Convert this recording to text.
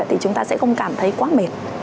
thì chúng ta sẽ không cảm thấy quá mệt